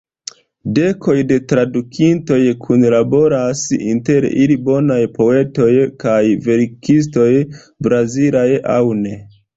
Dekoj da tradukintoj kunlaboras, inter ili bonaj poetoj kaj verkistoj, brazilaj aŭ ne.